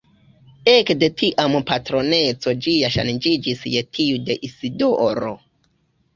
Ekde tiam patroneco ĝia ŝanĝiĝis je tiu de Isidoro.